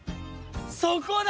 そこだ！